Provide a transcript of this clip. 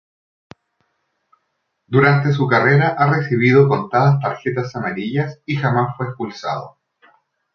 Durante su carrera ha recibido contadas tarjetas amarillas y jamás fue expulsado.